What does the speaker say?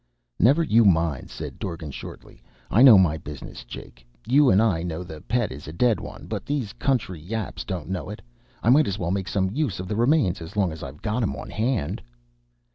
"Never you mind," said Dorgan shortly. "I know my business, Jake. You and I know the Pet is a dead one, but these country yaps don't know it. I might as well make some use of the remains as long as I've got 'em on hand."